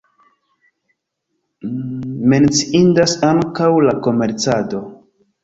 Menciindas ankaŭ la komercado.